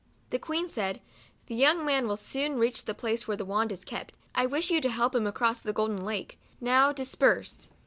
The Queen said, " The young man will soon reach the palace where the wand is kept. I wish you to help him across the ' Golden Lake.' Now disperse."